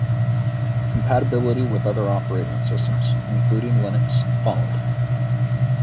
Compatibility with other operating systems, including Linux, followed.